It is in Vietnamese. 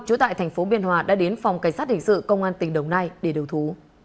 trú tại thành phố biên hòa đã đến phòng cảnh sát hình sự công an tỉnh đồng nai để đầu thú